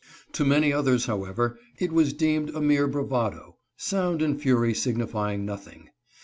To many others, however, it was deemed a mere bravado— sound and fury signifying nothing.